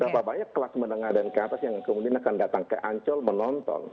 berapa banyak kelas menengah dan ke atas yang kemudian akan datang ke ancol menonton